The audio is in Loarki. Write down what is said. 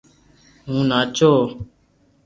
ھون ناچو